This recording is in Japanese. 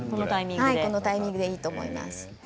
このタイミングでいいと思います。